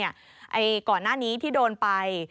ก่อนหน้านี้ที่โดนไป